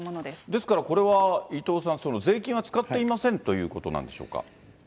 ですからこれは伊藤さん、税金は使っていませんということなんでしょうか。